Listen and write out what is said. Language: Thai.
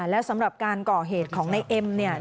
แล้วสำหรับการก่อเหตุของในเอ็ม